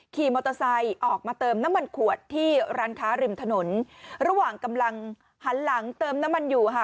ขี่มอเตอร์ไซค์ออกมาเติมน้ำมันขวดที่ร้านค้าริมถนนระหว่างกำลังหันหลังเติมน้ำมันอยู่ค่ะ